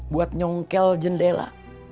buat nyongkel jendela